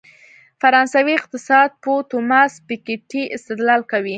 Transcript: فرانسوي اقتصادپوه توماس پيکيټي استدلال کوي.